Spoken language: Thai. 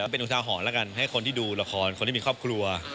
เป็นอุทาหรณ์แล้วกันให้คนที่ดูละครคนที่มีครอบครัว